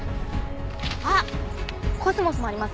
あっコスモスもありますね。